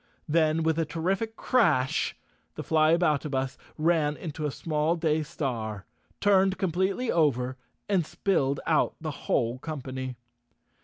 Then, with a terrific crash, the Flyaboutabus ran into a small day star, turned completely over and spilled out the whole company.